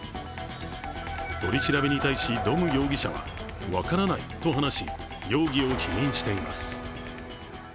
取り調べに対しドム容疑者は、分からないと話し、容疑を否認しています。